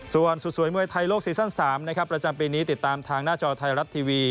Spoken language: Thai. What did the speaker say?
ส่วนสุดสวยมวยไทยโลกซีซั่น๓นะครับประจำปีนี้ติดตามทางหน้าจอไทยรัฐทีวี